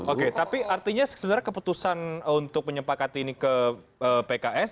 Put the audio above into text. oke tapi artinya sebenarnya keputusan untuk menyepakati ini ke pks